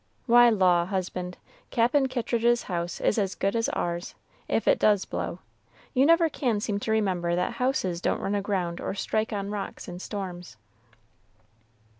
"Why, law, husband, Cap'n Kittridge's house is as good as ours, if it does blow. You never can seem to remember that houses don't run aground or strike on rocks in storms."